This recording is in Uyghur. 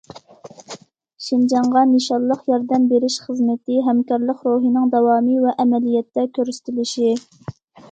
شىنجاڭغا نىشانلىق ياردەم بېرىش خىزمىتى ھەمكارلىق روھىنىڭ داۋامى ۋە ئەمەلىيەتتە كۆرسىتىلىشى.